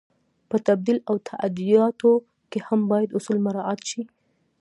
په تبدیل او تادیاتو کې هم باید اصول مراعت شي.